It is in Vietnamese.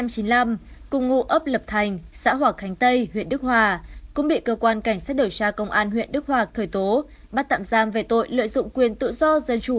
cùng ngụ ấp lập thành xã hòa khánh tây huyện đức hòa cũng bị cơ quan cảnh sát điều tra công an huyện đức hòa khởi tố bắt tạm giam về tội lợi dụng quyền tự do dân chủ